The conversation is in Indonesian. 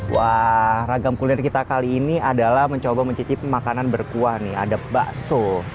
wah ragam kuliner kita kali ini adalah mencoba mencicipi makanan berkuah nih ada bakso